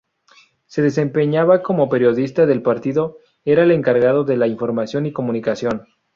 Se desempeñaba como periodista del partido, era el encargado de la información y comunicación.